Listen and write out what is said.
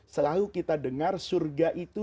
selalu kita dengar surga itu